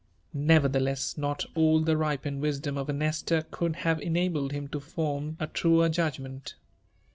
Noyerthel^ss, not all the ripened wi&dom pf a Nestgr could have enabled him to form a truer judgment.